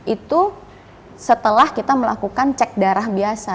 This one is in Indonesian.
itu setelah kita melakukan cek darah biasa